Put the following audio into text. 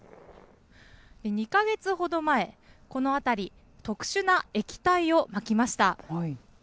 ２か月ほど前、この辺り、特殊な液体をまきました。